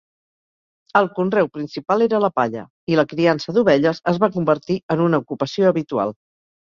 El conreu principal era la palla, i la criança d'ovelles es va convertir en una ocupació habitual.